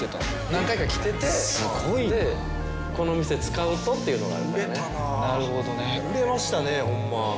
何回か来ててでこの店使うとっていうのが売れたな売れましたねホンマ